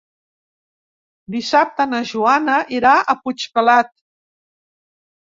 Dissabte na Joana irà a Puigpelat.